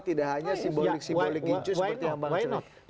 tidak hanya simbolik simbolik ginju seperti yang bang culi